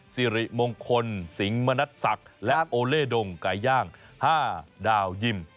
สิริมงคลสิงห์มณัฐศักดิ์และโอเลดงไก่ย่าง๕ดาวยิม